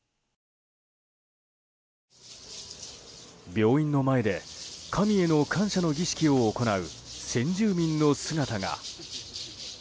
病院の前で神への感謝の儀式を行う先住民の姿が。